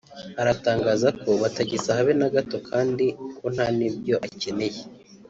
aratangaza ko batagisa habe na gato kandi ko nta nibyo akeneye